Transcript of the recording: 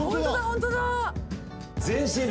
ホントだ。